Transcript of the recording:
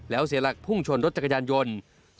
แล้วเสียหลักพุ่งชนรถจักรยานยนต์